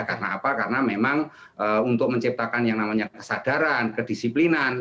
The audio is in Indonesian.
karena apa karena memang untuk menciptakan yang namanya kesadaran kedisiplinan